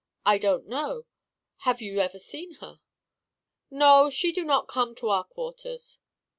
"I don't know. Have you ever seen her?" "No. She do not come to our quarters."